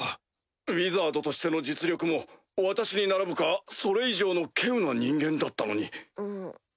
ウィザードとしての実力も私に並ぶかそれ以上の稀有な人間だったのに。